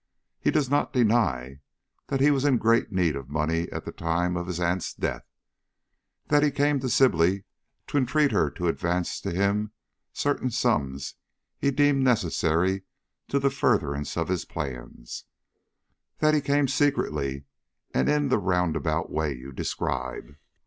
He does not deny that he was in great need of money at the time of his aunt's death; that he came to Sibley to entreat her to advance to him certain sums he deemed necessary to the furtherance of his plans; that he came secretly and in the roundabout way you describe.